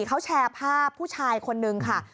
เขาแชร์ภาพผู้ชายคนนึงค่ะ